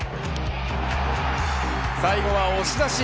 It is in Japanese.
最後は押し出し。